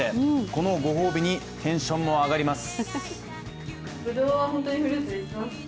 このご褒美にテンションも上がります。